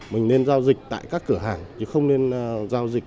mình nên giao dịch tại các cửa hàng chứ không nên giao dịch